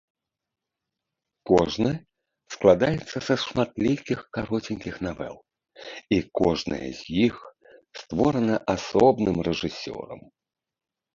Кожны складаецца са шматлікіх кароценькіх навел, і кожная з іх створана асобным рэжысёрам.